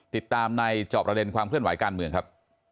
ติดตามในจอบประเด็นความเคลื่อนไหวการเมืองครับ